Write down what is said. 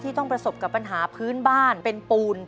ต้องประสบกับปัญหาพื้นบ้านเป็นปูน